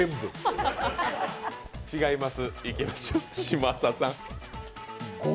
違います。